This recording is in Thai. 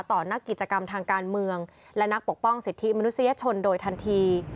ต่อนักกิจกรรมทางการเมืองและนักปกป้องสิทธิมนุษยชนโดยทันที